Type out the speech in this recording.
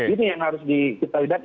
ini yang harus kita lihat